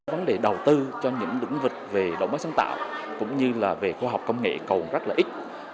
vấn đề đầu tư cho những lĩnh vực về đổi mới sáng tạo cũng như là về khoa học công nghệ còn rất là ít